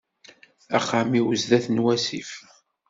Axxam-iw sdat n wasif.